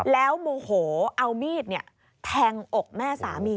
แล้วโมโหเอามีดแทงอกแม่สามี